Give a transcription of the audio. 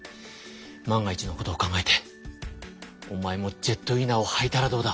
万が一のことを考えておまえもジェットウィナーをはいたらどうだ？